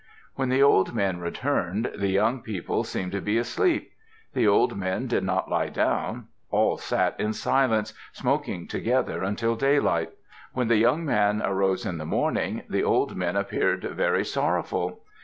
When the old men returned, the young people seemed to be asleep. The old men did not lie down; all sat in silence, smoking together until daylight. When the young man arose in the morning, the old men appeared very sorrowful.